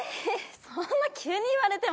そんな急に言われても。